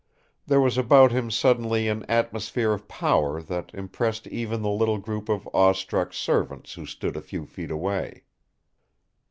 There was about him suddenly an atmosphere of power that impressed even the little group of awe struck servants who stood a few feet away.